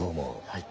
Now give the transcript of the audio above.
はい。